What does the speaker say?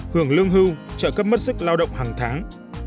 hưởng lương hưu trợ cấp mất sức lao động hàng tháng